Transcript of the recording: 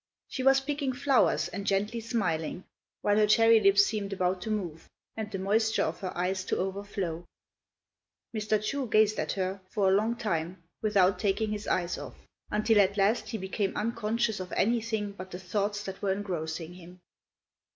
She was picking flowers and gently smiling, while her cherry lips seemed about to move, and the moisture of her eyes to overflow. Mr. Chu gazed at her for a long time without taking his eyes off, until at last he became unconscious of anything but the thoughts that were engrossing him.